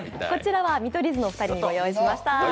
こちらは見取り図のお二人にご用意しました。